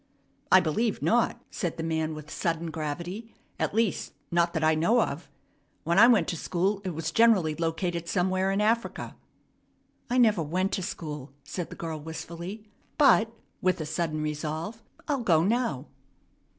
"I believe not," said the man with sudden gravity; "at least, not that I know of. When I went to school, it was generally located somewhere in Africa." "I never went to school," said the girl wistfully; "but " with a sudden resolve "I'll go now."